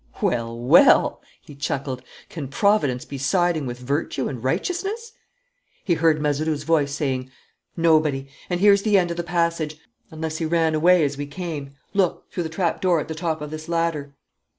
"Well, well!" he chuckled. "Can Providence be siding with virtue and righteousness?" He heard Mazeroux's voice saying: "Nobody! And here's the end of the passage. Unless he ran away as we came look, through the trapdoor at the top of this ladder."